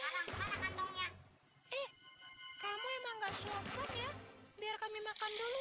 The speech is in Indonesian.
nih siang sekarang mana kantongnya eh kamu emang nggak suapnya biarkan dimakan dulu